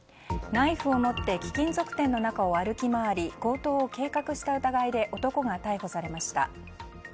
ナイフを持って貴金属店の中を歩き回り強盗を計画した疑いで男が逮捕されました。